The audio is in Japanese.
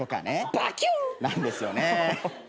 バキューン！なんですよね。